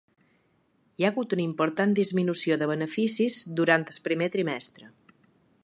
Hi ha hagut una important disminució de beneficis durant el primer trimestre.